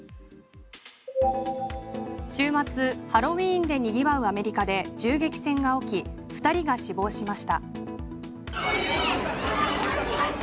週末、ハロウィンで賑わうアメリカで銃撃戦が起き２人が死亡しました。